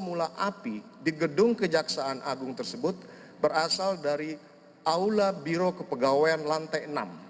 kemula api di gedung kejaksaan agung tersebut berasal dari aula biro kepegawaian lantai enam